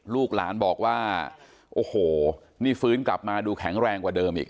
ลูกหลานบอกว่าโอ้โหนี่ฟื้นกลับมาดูแข็งแรงกว่าเดิมอีก